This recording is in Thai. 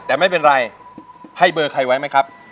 แต่ไม่เป็นไรให้เบอร์ใครไว้ไหมครับ